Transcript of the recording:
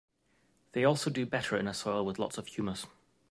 They also do better in a soil with lots of humus.